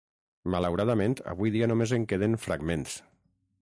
Malauradament avui dia només en queden fragments.